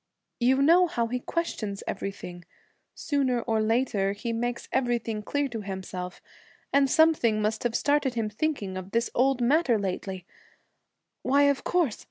'You know how he questions everything sooner or later he makes everything clear to himself and something must have started him thinking of this old matter lately Why, of course!